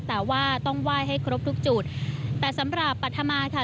แต่ว่าต้องไหว้ให้ครบทุกจุดแต่สำหรับปัธมาค่ะ